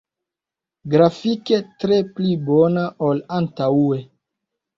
Grafike tre pli bona ol antaŭe.